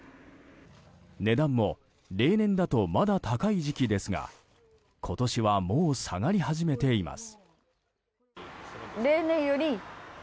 値段も例年だとまだ高い時期ですが今年はもう下がり始めています。